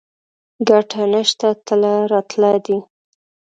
ګټه نشته تله راتله دي